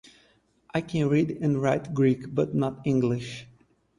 I can read and write Greek but not English.